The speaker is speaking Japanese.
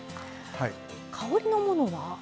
香りのものは。